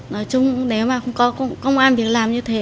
nói chung nếu mà không có công an việc làm như thế